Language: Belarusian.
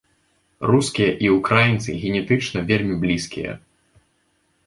Рускія і ўкраінцы генетычна вельмі блізкія.